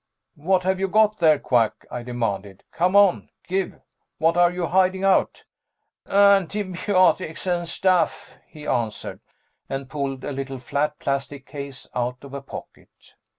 "What've you got there, Quack?" I demanded. "Come on, give what are you hiding out?" "Antibiotics and stuff," he answered, and pulled a little flat plastic case out of a pocket.